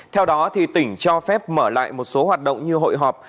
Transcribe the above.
theo đó tỉnh cho phép mở lại một số hoạt động như hội họp